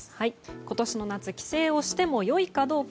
今年の夏、帰省をしても良いか。